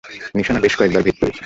নিশানা বেশ কয়েকবার ভেদ করেছি!